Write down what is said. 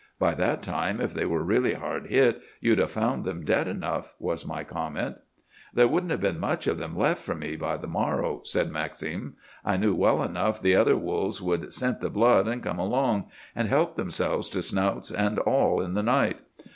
By that time, if they were really hard hit, you'd have found them dead enough!' was my comment. "'There wouldn't have been much of them left for me by the morrow,' said Maxim. 'I knew well enough the other wolves would scent the blood and come along, and help themselves to snouts and all in the night.